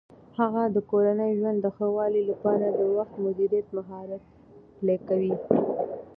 هغه د کورني ژوند د ښه والي لپاره د وخت مدیریت مهارت پلي کوي.